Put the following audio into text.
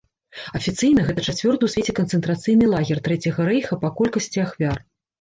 Афіцыйна, гэта чацвёрты ў свеце канцэнтрацыйны лагер трэцяга рэйха па колькасці ахвяр.